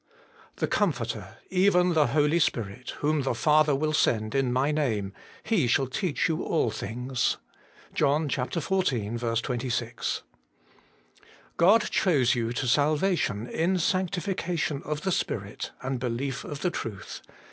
'The Comforter, even the Holy Spirit, whom the Father will send in my name, He shall teach yon all things. 1 JOHN ziv. 26. God chose you to salvation in sanctification of the Spirit, and belief of the truth.'